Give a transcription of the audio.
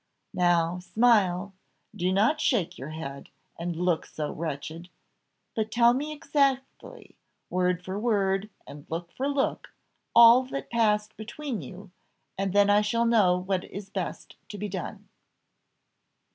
Now, smile; do not shake your head, and look so wretched; but tell me exactly, word for word and look for look, all that passed between you, and then I shall know what is best to be done."